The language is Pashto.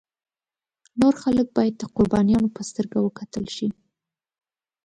نور خلک باید د قربانیانو په سترګه وکتل شي.